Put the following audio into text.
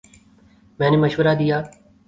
میں نے مشورہ دیا